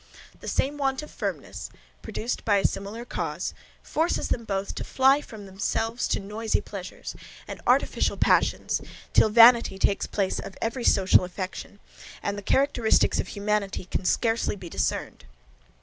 The same want of firmness, produced by a similar cause, forces them both to fly from themselves to noisy pleasures, and artificial passions, till vanity takes place of every social affection, and the characteristics of humanity can scarcely be discerned.